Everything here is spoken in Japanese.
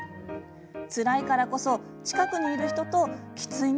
つらいからこそ、近くにいる人と「きついね」